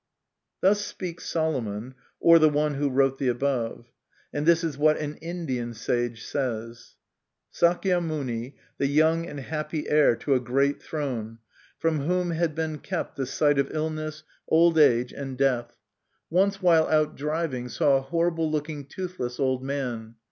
Thus speaks Solomon, or the one who wrote the above ; and this is what an Indian sage says: "Sakya Muni, the young and happy heir to a great throne, from whom had been kept the sight of illness, old age, and death, 62 MY CONFESSION. once while out driving saw a horrible looking, toothless old man.